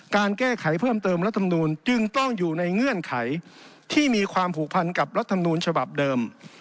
การแก้ไขเพิ่มเติมรัฐมนูลจึงต้องอยู่ในเงื่อนไขที่มีความผูกพันกับรัฐมนูลฉบับเดิม